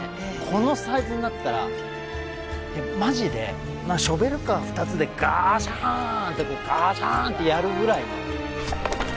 このサイズになったらまじでショベルカー２つでガシャンってこうガシャンってやるぐらいの。